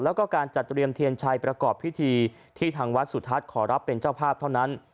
แล้วก็การจัดเตรียมเทียนชัยประกอบพิธีที่ทางวัดสุทัศน์ขอรับเป็นเจ้าภาพเท่านั้น